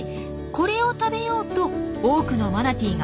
これを食べようと多くのマナティーが集まるんです。